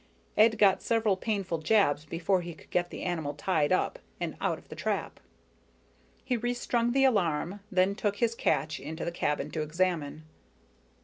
Ed got several painful jabs before he got the animal tied up and out of the trap. He restrung the alarm, then took his catch into the cabin to examine.